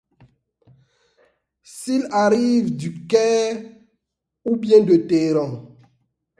S'ils arrivent du Caire ou bien de Téhéran